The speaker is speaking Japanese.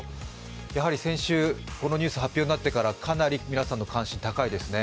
やはり先週、このニュースが発表になってからかなり皆さんの関心高いですね。